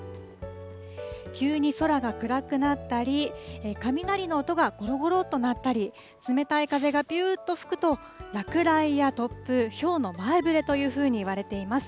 急に空が暗くなったり、雷の音がごろごろっと鳴ったり、冷たい風がぴゅーっと吹くと、落雷や突風、ひょうの前触れというふうにいわれています。